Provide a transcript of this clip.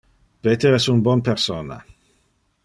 Peter es un bon persona.